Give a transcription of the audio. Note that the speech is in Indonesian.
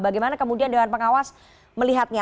bagaimana kemudian dewan pengawas melihatnya